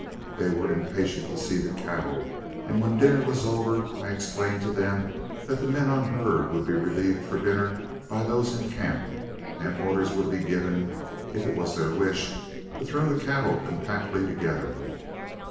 They were impatient to see the cattle; and when dinner was over, I explained to them that the men on herd would be relieved for dinner by those in camp, and orders would be given, if it was their wish, to throw the cattle compactly together.